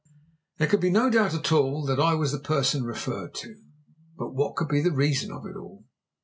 There could be no doubt at all that I was the person referred to; but what could be the reason of it all?